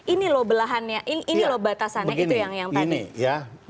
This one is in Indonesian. ini loh belahannya ini loh batasannya itu yang tadi